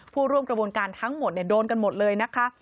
ผู้ร่วมกระบวนการทั้งหมดโดนกันหมดเลยนะคะ